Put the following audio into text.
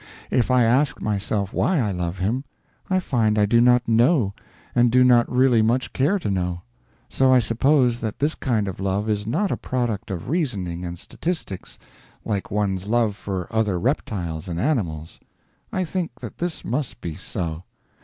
If I ask myself why I love him, I find I do not know, and do not really much care to know; so I suppose that this kind of love is not a product of reasoning and statistics, like one's love for other reptiles and animals. I think that this must be so.